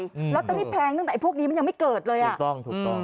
ลอตเตอรี่แพงตั้งแต่ไอพวกนี้มันยังไม่เกิดเลยอ่ะถูกต้องถูกต้อง